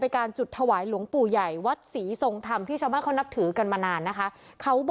การจุดถวายหลวงปู่ใหญ่วัดศรีทรงธรรมที่ชาวบ้านเขานับถือกันมานานนะคะ